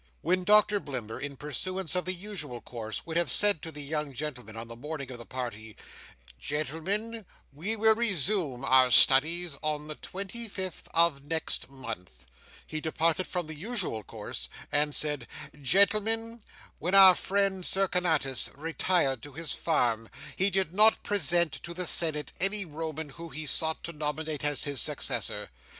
When Doctor Blimber, in pursuance of the usual course, would have said to the young gentlemen, on the morning of the party, "Gentlemen, we will resume our studies on the twenty fifth of next month," he departed from the usual course, and said, "Gentlemen, when our friend Cincinnatus retired to his farm, he did not present to the senate any Roman who he sought to nominate as his successor.